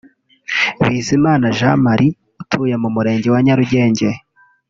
Bizimana Jean Marie utuye mu Murenge wa Nyarugenge